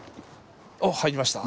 おっ入りました。